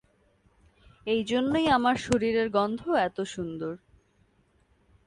এইজন্যই আমার শরীরের গন্ধ এতো সুন্দর।